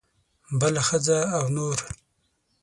بله ښځه او نور.